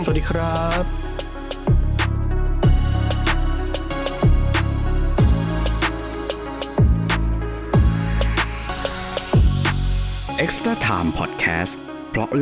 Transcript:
สวัสดีครับ